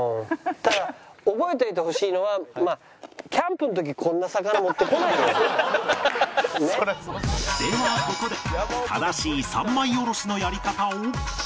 ただ覚えておいてほしいのはではここで正しい三枚おろしのやり方を